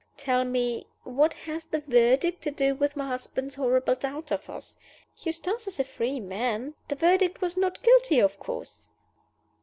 Tell me what has the Verdict to do with my husband's horrible doubt of us? Eustace is a free man. The Verdict was Not Guilty, of course?"